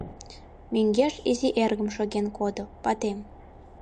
Мӧҥгеш изи эргым шоген кодо, ватем.